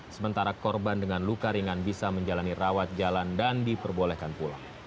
sementara korban dengan luka ringan bisa menjalani rawat jalan dan diperbolehkan pulang